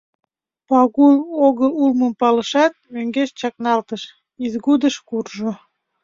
Пагул огыл улмым палышат, мӧҥгеш чакналтыш, изгудыш куржо.